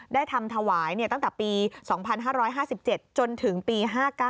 ได้ทำถวายตั้งแต่ปี๒๕๕๗จนถึงปี๕๙